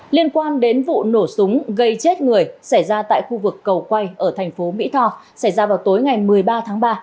liên quan đến vụ nổ súng gây chết người xảy ra tại khu vực cầu quay ở thành phố mỹ tho xảy ra vào tối ngày một mươi ba tháng ba